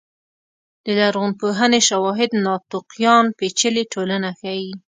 د لرغونپوهنې شواهد ناتوفیان پېچلې ټولنه ښيي.